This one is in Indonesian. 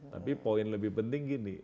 tapi poin lebih penting gini